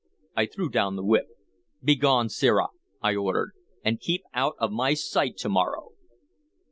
I threw down the whip. "Begone, sirrah!" I ordered. "And keep out of my sight to morrow!"